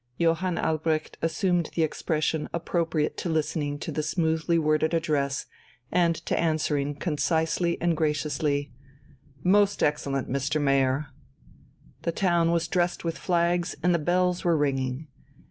Johann Albrecht assumed the expression appropriate to listening to the smoothly worded address and to answering concisely and graciously: "Most excellent Mr. Mayor...." The town was dressed with flags, and the bells were ringing.